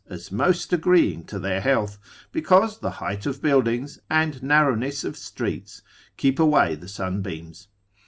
as most agreeing to their health, because the height of buildings, and narrowness of streets, keep away the sunbeams.